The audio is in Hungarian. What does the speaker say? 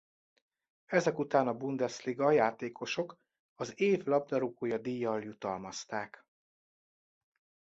Ezek után a Bundesliga játékosok az Év labdarúgója díjjal jutalmazták.